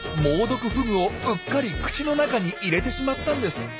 猛毒フグをうっかり口の中に入れてしまったんです。